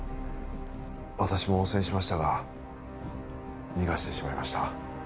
私も応戦しましたが逃がしてしまいました